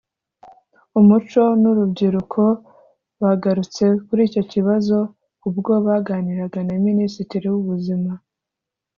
Umuco n’Urubyiruko bagarutse kuri icyo kibazo ubwo baganiraga na Minisitiri w’Ubuzima